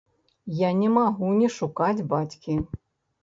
Я не магу не шукаць бацькі.